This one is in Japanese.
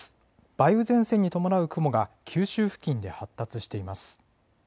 梅雨前線に伴う雲が九州付近で発達しています。